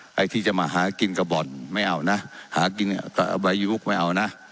ใครที่จะมาหากินกับบ่อนไม่เอานะหากินเนี่ยก็เอาใบยุคไม่เอานะ